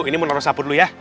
ini menurut ustaz dulu ya